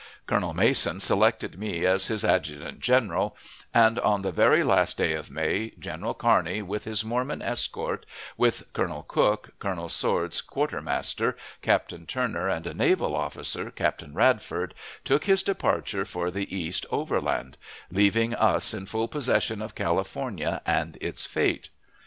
Colonel Mason selected me as his adjutant general; and on the very last day of May General Kearney, with his Mormon escort, with Colonel Cooke, Colonel Swords (quartermaster), Captain Turner, and a naval officer, Captain Radford, took his departure for the East overland, leaving us in full possession of California and its fate.